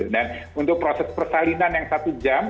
dan untuk proses persalinan yang satu jam